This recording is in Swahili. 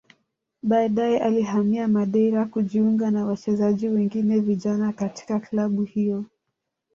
Baadaye alihama Madeira kujiunga na wachezaji wengine vijana katika klabu hiyo